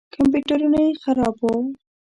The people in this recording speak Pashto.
کمپیوټرونه یې خراب وو.